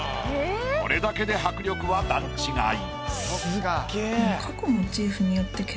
これだけで迫力は段違い。